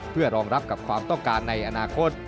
เพื่อรองรับกับความต้องการในอนาคต